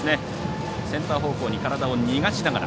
センター方向に体を逃がしながら。